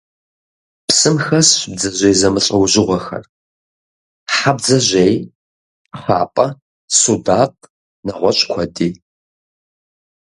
Псым хэсщ бдзэжьей зэмылӀэужьыгъуэхэр: хьэбдзэжъей, кхъапӀэ, судакъ, нэгъуэщӀ куэди.